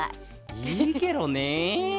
いいケロね。